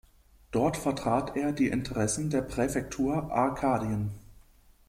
Dort vertrat er die Interessen der Präfektur Arkadien.